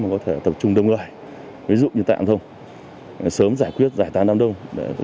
mà có thể tập trung đông người ví dụ như tại ảng thông sớm giải quyết giải tán nam đông